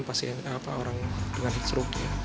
dan pasti orang dengan heat stroke